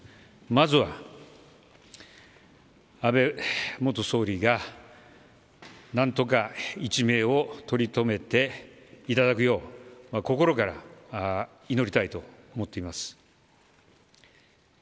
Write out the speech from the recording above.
まずは、安倍元総理が何とか一命をとりとめていただくよう心から祈りたいと思っています。